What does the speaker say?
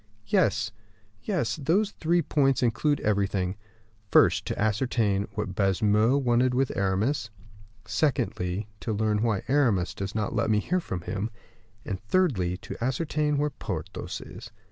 "Yes, yes, those three points include everything: First, to ascertain what Baisemeaux wanted with Aramis; secondly, to learn why Aramis does not let me hear from him; and thirdly, to ascertain where Porthos is.